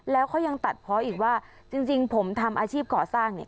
แล้วเขายังตัดเพราะอีกว่าจริงผมทำอาชีพก่อสร้างเนี่ย